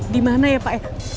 dimana ya pak